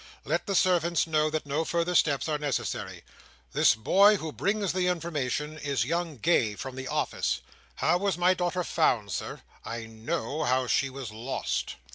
"Let the servants know that no further steps are necessary. This boy who brings the information, is young Gay, from the office. How was my daughter found, Sir? I know how she was lost."